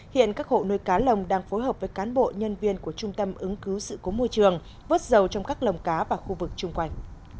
hiện các hộ nuôi cá lồng đang phối hợp với cán bộ nhân viên của trung tâm ứng cứu sự cố môi trường vớt dầu trong các lồng cá và khu vực chung quanh